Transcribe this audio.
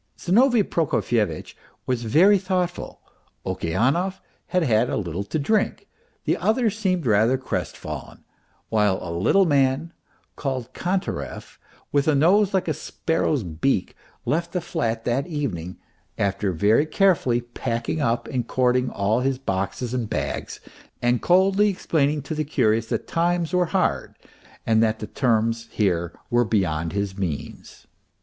Zinovy Proko fyevitch was very thoughtful, Okeanov had had a b'ttle to drink, MR. PROHARTCHIN 287 the others seemed rather crestfallen, while a little man called Kantarev, with a nose like a sparrow's beak, left the flat that even ing after very carefully packing up and cording all his boxes and bags, and coldly explaining to the curious that times were hard and that the terms here were beyond his means.